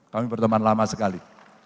kami berteman lama sekali